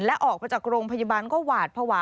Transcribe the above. และออกมาจากโรงพยาบาลก็หวาดภาวะ